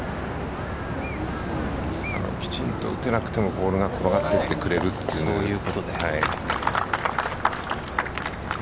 きちんと打てなくてもボールが転がっていってくれるという。